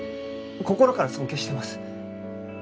心から尊敬してます。